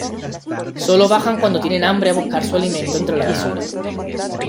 Sólo bajan cuando tienen hambre a buscar su alimento entre la basura.